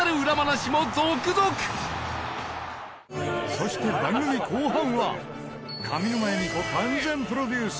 そして上沼恵美子完全プロデュース